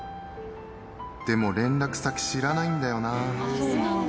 でも連絡先、知らないんだよな。